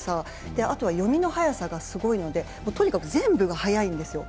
あとは読みの速さがすごいのでとにかく全部が速いんですよ。